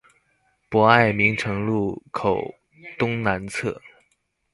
博愛明誠路口東南側